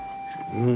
うん。